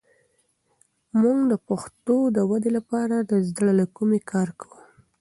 موږ د پښتو د ودې لپاره د زړه له کومې کار کوو.